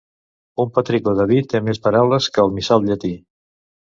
Un petricó de vi té més paraules que el missal llatí.